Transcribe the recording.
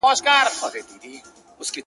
اوس خو رڼاگاني كيسې نه كوي.